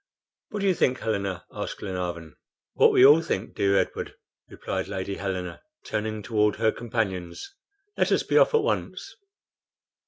"What do you think, Helena?" asked Glenarvan. "What we all think, dear Edward," replied Lady Helena, turning toward her companions; "let us be off at once."